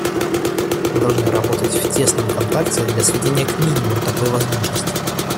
Мы должны работать в тесном контакте для сведения к минимуму такой возможности.